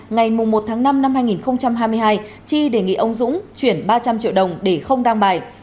ngày một tháng năm năm hai nghìn hai mươi hai chi đề nghị ông dũng chuyển ba trăm linh triệu đồng để không đăng bài